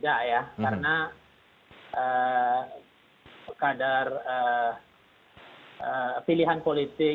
jadi bung israr tadi kita terpotong soal kemudian korelasi pilihan politik dan juga sejarah politik di tanah minang